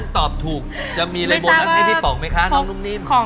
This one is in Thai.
ตลกจริงอ่ะนุ้มดี